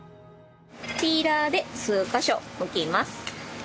ピーラーで数カ所むきます。